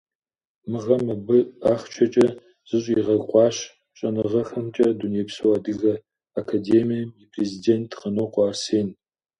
Мы гъэм абы ахъшэкӏэ защӏигъэкъуащ Щӏэныгъэхэмкӏэ Дунейпсо Адыгэ Академием и президент Къанокъуэ Арсен.